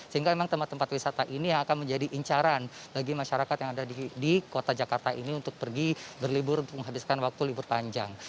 sehingga memang tempat tempat wisata ini yang akan menjadi incaran bagi masyarakat yang ada di kota jakarta ini untuk pergi berlibur untuk menghabiskan waktu libur panjang